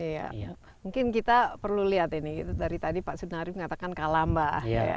ya mungkin kita perlu lihat ini dari tadi pak sudnari mengatakan kalambah